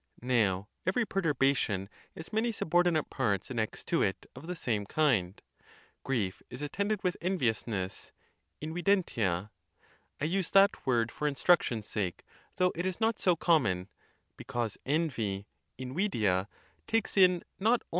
Now, every perturbation has many subordinate parts annexed to it of the same kind. Grief is attended with enviousness (invidentia)—I use that word for instruction's sake, theugh it is not so common; because envy (invidia) takes in not only.